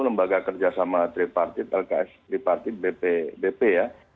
lembaga kerja sama tripartit lks tripartit bp ya